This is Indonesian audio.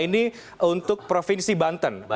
ini untuk provinsi banten